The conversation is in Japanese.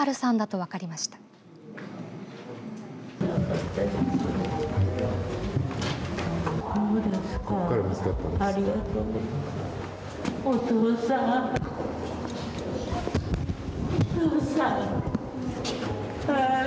ありがとうね。